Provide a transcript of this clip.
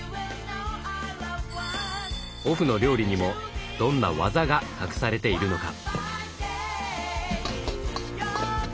オフの料理にもどんな技が隠されているのか？